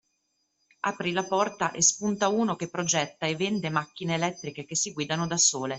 Apri la porta e spunta uno che progetta e vende macchine elettriche che si guidano da sole